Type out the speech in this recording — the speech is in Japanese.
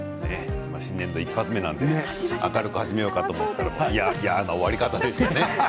新年度一発目なので明るく始めようかと思ったら嫌な終わり方でしたね。